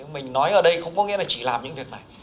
mình nói ở đây không có nghĩa là chỉ làm những việc này